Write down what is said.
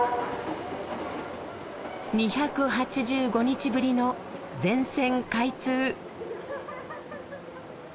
２８５日ぶりの全線開通。